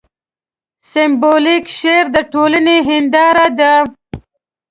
سېمبولیک شعر د ټولنې هینداره ده.